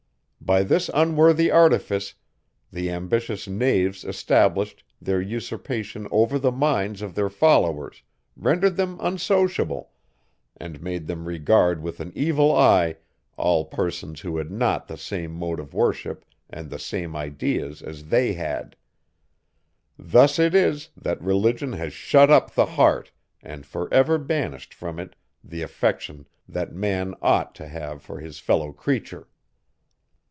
By this unworthy artifice, the ambitious knaves established, their usurpation over the minds of their followers, rendered them unsociable, and made them regard with an evil eye all persons who had not the same mode of worship and the same ideas as they had. Thus it is, that Religion has shut up the heart and for ever banished from it the affection that man ought to have for his fellow creature.